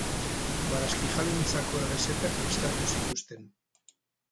Barazkijaleentzako errezetak prestatu zituzten.